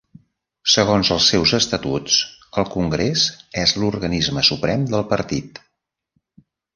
Segons els seus estatuts el Congrés és l'organisme suprem del Partit.